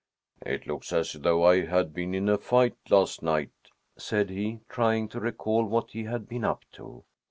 "It looks as though I had been in a fight last night," said he, trying to recall what he had been up to.